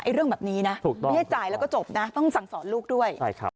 ไอ้เรื่องแบบนี้นะถูกต้องไม่ให้จ่ายแล้วก็จบนะต้องสั่งสอนลูกด้วยใช่ครับ